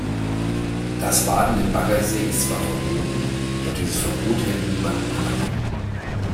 Das Baden im Baggersee ist zwar verboten, doch dieses Verbot hält niemanden ab.